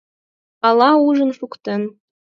Ала ужын шуктен.